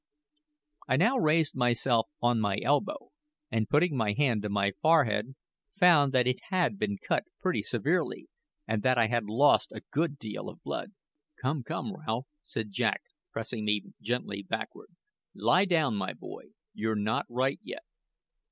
I now raised myself on my elbow, and putting my hand to my forehead, found that it had been cut pretty severely, and that I had lost a good deal of blood. "Come, come, Ralph," said Jack, pressing me gently backward, "lie down, my boy; you're not right yet.